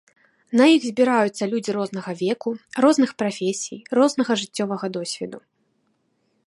На іх збіраюцца людзі рознага веку, розных прафесій, рознага жыццёвага досведу.